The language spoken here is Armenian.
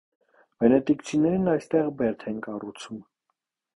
Վենետիկցիներն այստեղ բերդ են կառուցում։